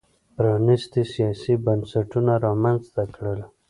پرانیستي سیاسي بنسټونه رامنځته کړل.